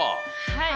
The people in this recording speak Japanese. はい。